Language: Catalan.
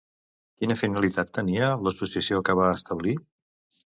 Quina finalitat tenia l'associació que va establir?